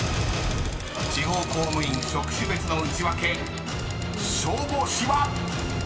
［地方公務員職種別のウチワケ消防士は⁉］